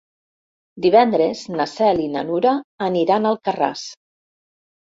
Divendres na Cel i na Nura aniran a Alcarràs.